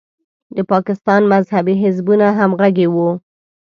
د پاکستان مذهبي حزبونه همغږي وو.